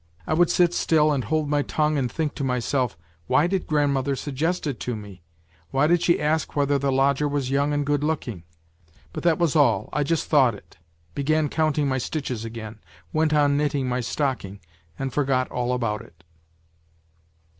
I would sit still and hold my tongue and think to myself : why did grandmother suggest it to me ? Why did she ask whether the lodger was young and good looking ? But that was all, I just thought it, began counting my stitches again, went on knitting my stocking, and forgot all about it.